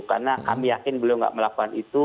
karena kami yakin beliau tidak melakukan itu